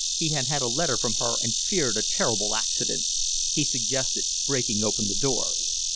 He had had a letter from her and feared a terrible accident. He suggested breaking open the door.